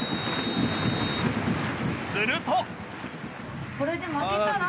すると